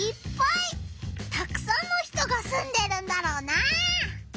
たくさんの人がすんでるんだろうな。